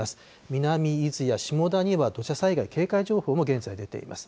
南伊豆や下田には、土砂災害警戒情報も現在、出ています。